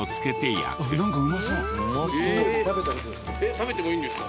食べてもいいんですか？